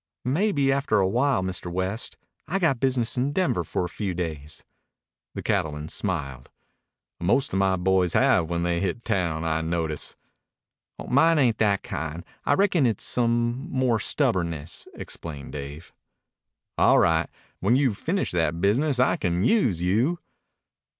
"Maybe, after a while, Mr. West. I got business in Denver for a few days." The cattleman smiled. "Most of my boys have when they hit town, I notice." "Mine ain't that kind. I reckon it's some more stubbornness," explained Dave. "All right. When you've finished that business I can use you."